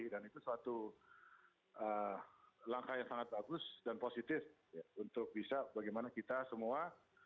dan itu suatu langkah yang sangat bagus dan positif untuk bisa bagaimana kita semua